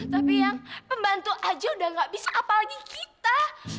tapi eang pembantu aja udah nggak bisa apalagi kita